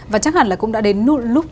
và chắc hẳn là cũng đã đến lúc